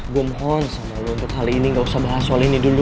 gue mohon sama lu untuk kali ini gak usah bahas soal ini dulu